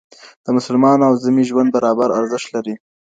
د مسلمان او ذمي ژوند برابر ارزښت لري.